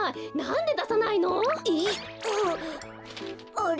あれ？